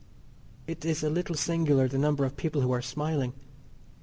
It is a little singular the number of people who are smiling.